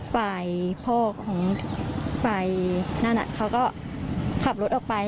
ไปพ่อของไปนั่นน่ะเขาก็ขับรถออกไป